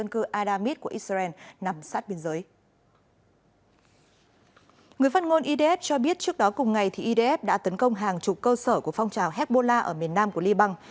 người phát ngôn idf cho biết trước đó cùng ngày idf đã tấn công hàng chục cơ sở của phong trào hezbollah ở miền nam của liban